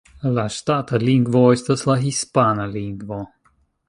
La ŝtata lingvo estas la hispana lingvo.